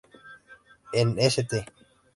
En St.